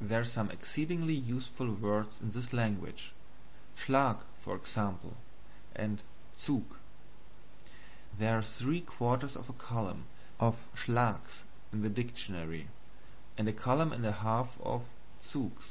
There are some exceedingly useful words in this language. SCHLAG, for example; and ZUG. There are three quarters of a column of SCHLAGS in the dictonary, and a column and a half of ZUGS.